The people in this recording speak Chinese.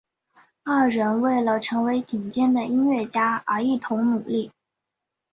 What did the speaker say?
二人为了成为顶尖的音乐家而一同努力。